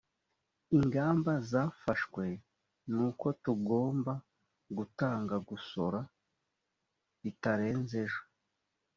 ingamba zafashwe nuko tugomba gutanga gusora bitarenze ejo